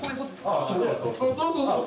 そうそうそう！